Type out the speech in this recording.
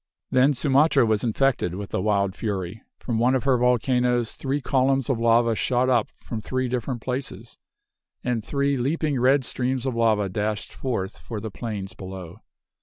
Then Sumatra was infected with the wild fury. From one of her volcanoes three columns of lava shot up from three different places, and three leaping red streams of lava dashed forth for the plains below.